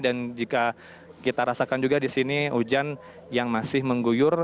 dan jika kita rasakan juga di sini hujan yang masih mengguyur